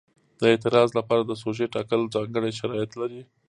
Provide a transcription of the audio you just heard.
د اعتراض لپاره د سوژې ټاکل ځانګړي شرایط لري.